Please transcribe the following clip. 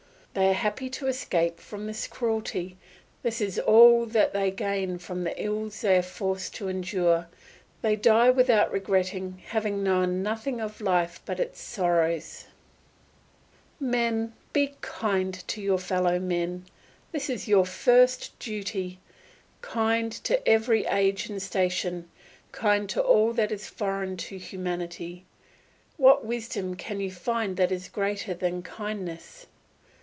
They are happy to escape from this cruelty; this is all that they gain from the ills they are forced to endure: they die without regretting, having known nothing of life but its sorrows. Men, be kind to your fellow men; this is your first duty, kind to every age and station, kind to all that is not foreign to humanity. What wisdom can you find that is greater than kindness?